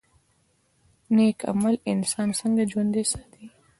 نیک عمل انسان څنګه ژوندی ساتي؟